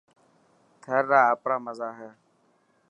ٿر را آپرا مزا هي.